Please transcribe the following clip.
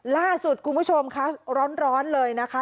ล่าสุดคุณผู้ชมค่ะร้อนเลยนะคะ